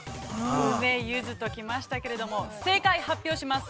◆梅、ゆずと来ましたけれども正解発表します。